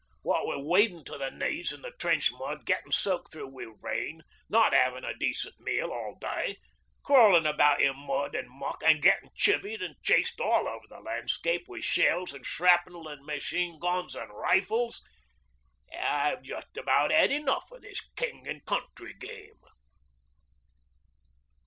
What wi' wadin' to the knees in the trench mud, getting soaked through wi' rain, not 'aving a decent meal all day, crawlin' about in mud an' muck, an' gettin' chivvied an' chased all over the landscape wi' shells an' shrapnel an' machine guns an' rifles, I've just about 'ad enough o' this King an' Country game.'